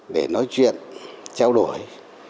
để nói chuyện trao đổi